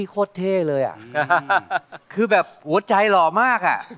คอยเธอกลับมา